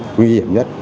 quy hiểm nhất